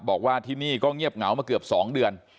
บอกว่าที่นี่ก็เงียบเหงามาเกือบ๒เดือน